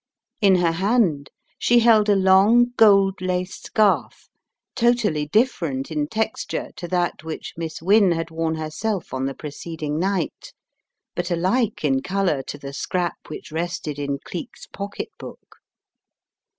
In her hand she held a long gold lace scarf totally different in texture to that which Miss Wynne had worn herself on the preceding night, but alike in colour to the scrap which rested in Cleek's pocketbook.